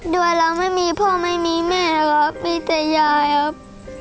ด้วยเราไม่มีพ่อไม่มีแม่ครับมีแต่ยายครับ